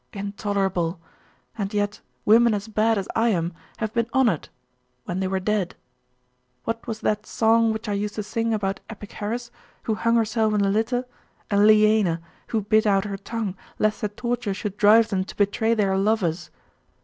Intolerable!.... And yet women as bad as I am have been honoured when they were dead. What was that song which I used to sing about Epicharis, who hung herself in the litter, and Leaina, who bit out her tongue, lest the torture should drive them to betray their lovers?